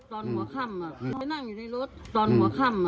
ตอนหัวค่ำไปนั่งอยู่ในรถตอนหัวค่ำ